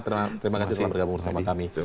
terima kasih telah bergabung bersama kami